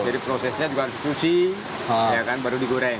jadi prosesnya juga harus kusi ya kan baru digoreng